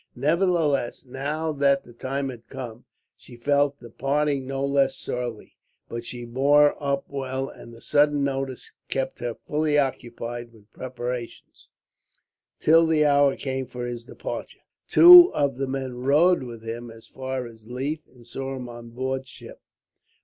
Nevertheless, now that the time had come, she felt the parting no less sorely; but she bore up well, and the sudden notice kept her fully occupied with preparations, till the hour came for his departure. Two of the men rode with him as far as Leith, and saw him on board ship.